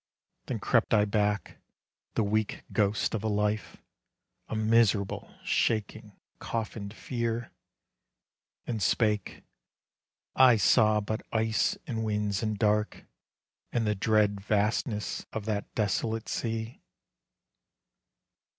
Then crept I back, the weak ghost of a life, A miserable, shaking, coffined fear, And spake, "I saw but ice and winds and dark, And the dread vastness of that desolate sea."